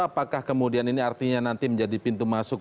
apakah kemudian ini artinya nanti menjadi pintu masuk